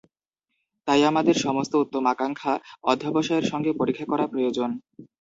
তাই, আমাদের সমস্ত উত্তম আকাঙ্ক্ষা অধ্যবসায়ের সঙ্গে পরীক্ষা করা প্রয়োজন।